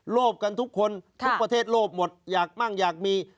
โลภกันทุกคนทุกประเทศโลภหมดอยากมั่งอยากมี